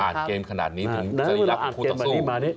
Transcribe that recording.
อ่านเกมขนาดนี้ถึงจะยับผู้ต่อสู้